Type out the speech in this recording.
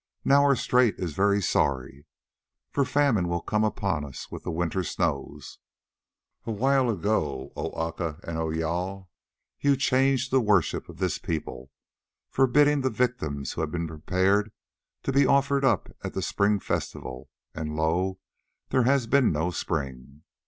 Now our strait is very sorry, for famine will come upon us with the winter snows. A while ago, O Aca and O Jâl, you changed the worship of this people, forbidding the victims who had been prepared to be offered up at the spring festival, and lo! there has been no spring.